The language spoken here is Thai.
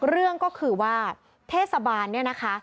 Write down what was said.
เรื่องก็คือว่าเทศบาลเนี่ยนะคะ